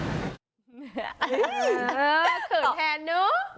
เขินแทนเนอะ